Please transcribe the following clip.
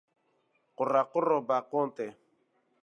Qurequra beqan tê.